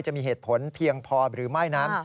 จะมีเหตุผลเพียงพอหรือไม่นั้น